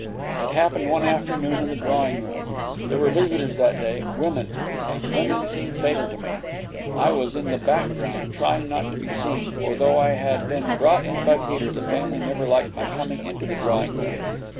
It happened one afternoon in the drawing room. There were visitors that day women; and women seem fatal to me. I was in the background, trying not to be seen, for, though I had been brought in by Peter, the family never liked my coming into the drawing room.